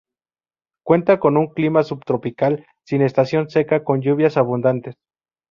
Cuenta con un clima subtropical sin estación seca, con lluvias abundantes.